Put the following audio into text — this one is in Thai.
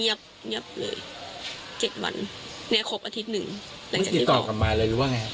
ไม่ได้ตอบกลับมาเลยหรือว่าไง